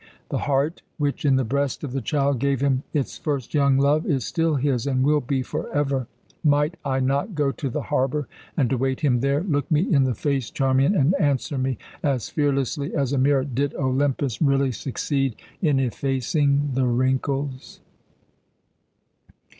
The heart which, in the breast of the child, gave him its first young love, is still his, and will be forever. Might I not go to the harbour and await him there? Look me in the face, Charmian, and answer me as fearlessly as a mirror: did Olympus really succeed in effacing the wrinkles?"